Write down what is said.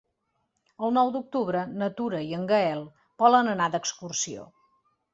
El nou d'octubre na Tura i en Gaël volen anar d'excursió.